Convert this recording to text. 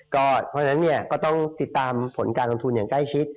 เพราะฉะนั้นก็ต้องติดตามผลการกำทูลอย่างใกล้ชิด